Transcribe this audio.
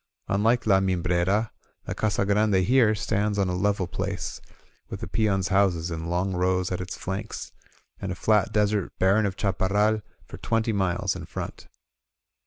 Unlike La Mimbrera, the Casa Grande here stands on a level place, with the peons' houses In long rows at its flanks, and a fla.t desert barren of chaparral for twenty miles in front.